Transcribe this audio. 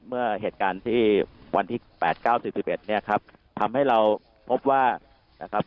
เมื่อเหตุการณ์ที่วันที่๘๙๔๑เนี่ยครับทำให้เราพบว่านะครับ